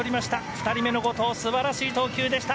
２人目の後藤素晴らしい投球でした。